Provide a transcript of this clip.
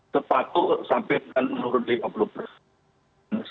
sepatuh sampai menurun lima puluh